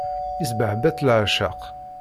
Isbehba-tt leɛceq.